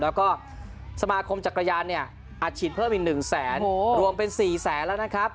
แล้วก็สมาคมจักรยานเนี่ยอัดฉีดเพิ่มอีก๑แสนรวมเป็น๔แสนแล้วนะครับ